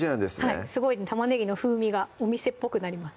はいすごい玉ねぎの風味がお店っぽくなります